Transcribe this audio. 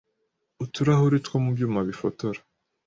uturahuri two mu byuma bifotora